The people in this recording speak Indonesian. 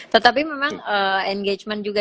tetapi memang engagement juga